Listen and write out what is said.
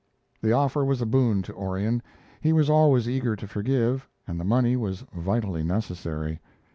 The offer was a boon to Orion. He was always eager to forgive, and the money was vitally necessary.